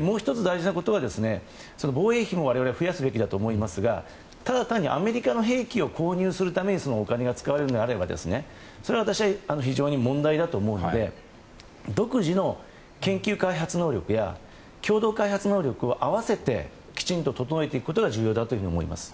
もう１つ大事なことは防衛費も我々は増やすべきだと思いますがただ単にアメリカの兵器を購入するためにお金が使われるのであればそれは私は非常に問題だと思うので独自の研究開発能力や共同開発能力を合わせてきちんと整えていくことが重要だと思います。